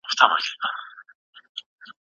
دا د سيالۍ لار ده.